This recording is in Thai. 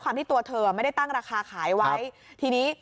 คือตอนนั้นว่าตั้งราคาไม่ถูกหรอก